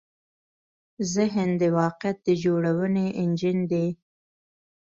ذهن د واقعیت د جوړونې انجن دی.